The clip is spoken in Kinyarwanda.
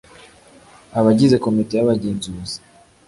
abagize Komite y Abagenzuzi